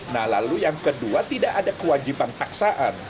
nah lalu yang kedua tidak ada kewajiban paksaan